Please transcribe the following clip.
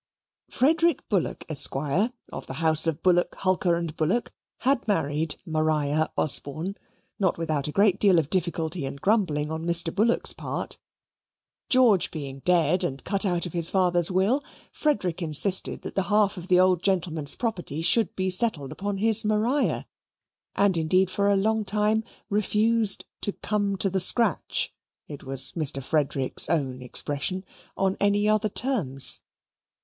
Frederick Bullock, Esq., of the house of Bullock, Hulker, and Bullock, had married Maria Osborne, not without a great deal of difficulty and grumbling on Mr. Bullock's part. George being dead and cut out of his father's will, Frederick insisted that the half of the old gentleman's property should be settled upon his Maria, and indeed, for a long time, refused, "to come to the scratch" (it was Mr. Frederick's own expression) on any other terms.